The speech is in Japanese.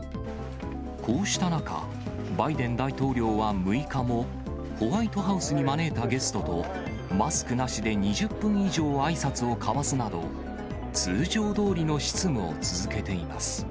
こうした中、バイデン大統領は６日もホワイトハウスに招いたゲストと、マスクなしで２０分以上あいさつを交わすなど、通常どおりの執務を続けています。